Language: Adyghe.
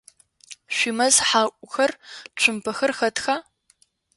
Шъуимэз хьаӏухэр, цумпэхэр хэтха?